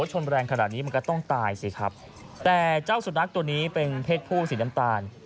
ชนแรงขนาดนี้มันก็ต้องตายสิครับแต่เจ้าสุนัขตัวนี้เป็นเพศผู้สีน้ำตาล